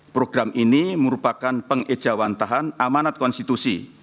program ini merupakan pengejauhan tahan amanat konstitusi